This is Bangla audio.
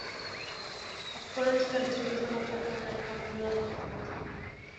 এক্সপোনেনশিয়াল ডিস্ট্রিবিউশন হচ্ছে একধরণের কন্টিনিউয়াস ডিস্ট্রিবিউশন।